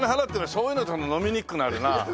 そういうのだと飲みにくくなるなあ。